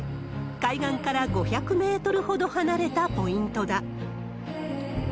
海岸から５００メートルほど離れたポイントだ。